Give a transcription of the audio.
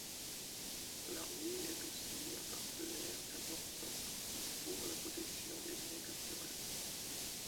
L’armée est aussi un partenaire important pour la protection des biens culturels.